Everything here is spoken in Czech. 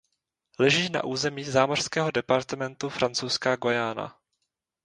Leží na území zámořského departementu Francouzská Guyana.